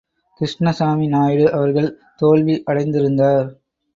கிருஷ்ணசாமி நாயுடு அவர்கள் தோல்வி அடைந்திருந்தார்.